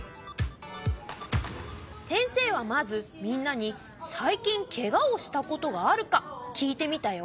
先生はまずみんなに最近ケガをしたことがあるか聞いてみたよ。